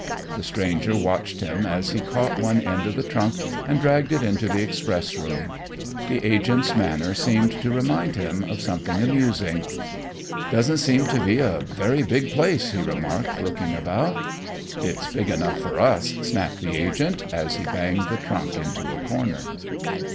The stranger watched him as he caught one end of the trunk and dragged it into the express room. The agent's manner seemed to remind him of something amusing. "Doesn't seem to be a very big place," he remarked, looking about. "It's big enough for us," snapped the agent, as he banged the trunk into a corner.